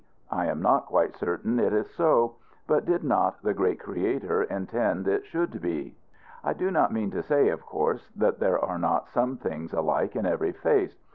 I am not quite certain it is so; but did not the great Creator intend it should be? I do not mean to say, of course, that there are not some things alike in every face.